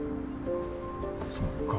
そっか。